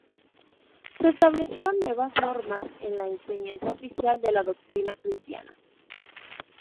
Se establecieron nuevas normas en la enseñanza oficial de la doctrina cristiana.